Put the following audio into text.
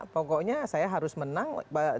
pokoknya saya harus menang